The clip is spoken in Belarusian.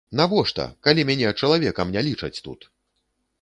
Навошта, калі мяне чалавекам не лічаць тут!